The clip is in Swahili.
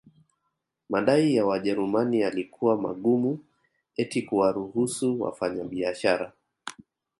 Madai ya Wajerumani yalikuwa magumu eti kuwaruhusu wafanyabiashara